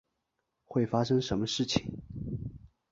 会发生什么事情？